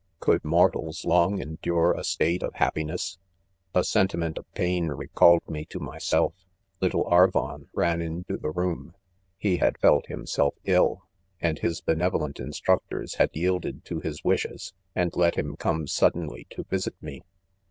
Could mortals long endure a state of happiness % '■A sentiment of pain recalled me to myself. Little Aryon ran into the room. He had felt himself ill, and his benevolent instructors had yielded to his wishes, and let him come sud denly to visit me.